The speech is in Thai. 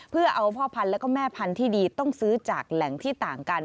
เพื่อเอาพ่อพันธุ์และแม่พันธุ์ที่ดีต้องซื้อจากแหล่งที่ต่างกัน